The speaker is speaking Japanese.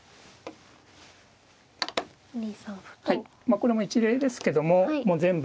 これも一例ですけどももう全部。